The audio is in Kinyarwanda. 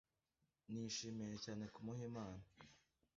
nishimiye cyane kumuha impano